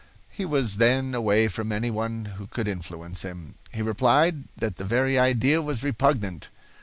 He was then away from any one who could influence him. He replied that the very idea was repugnant.